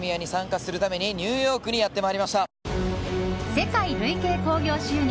世界累計興行収入